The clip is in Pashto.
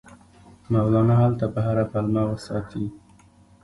مولنا هلته په هره پلمه وساتي.